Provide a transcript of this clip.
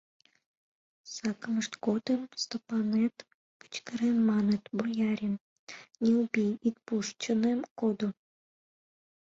Сакымышт годым Стопанет кычкырен, маныт: «Боярин, не убий... ит пушт, чонем кодо...